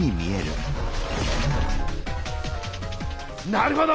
なるほど！